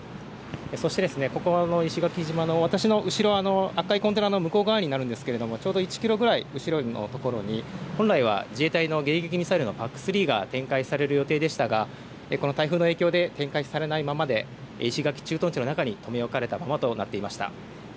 そして、ここ石垣島の私の後ろ、赤いコンテナの向こう側になるんですけれどもちょうど１キロぐらい後ろのところに本来は自衛隊の迎撃ミサイルのＰＡＣ３が展開される予定でしたがこの台風の影響で展開されないままで石垣駐屯地の中に留め置かれたままとなっていました。